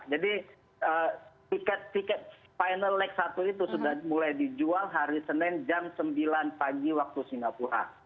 jadi tiket final leg satu itu sudah mulai dijual hari senin jam sembilan pagi waktu sinapura